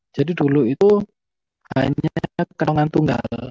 jadi dulu itu hanya kentongan tunggal